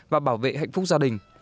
và bảo vệ hạnh phúc gia đình